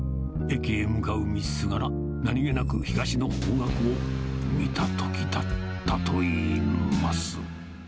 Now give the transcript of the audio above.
駅へ向かう道すがら、何気なく東の方角を見たときだったといいます。